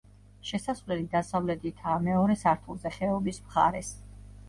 შესასვლელი დასავლეთითაა, მეორე სართულზე, ხეობის მხარეს.